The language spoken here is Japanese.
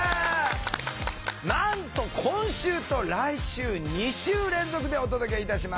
なんと今週と来週２週連続でお届けいたします。